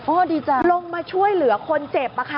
ดีจังลงมาช่วยเหลือคนเจ็บอะค่ะ